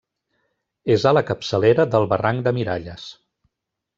És a la capçalera del barranc de Miralles.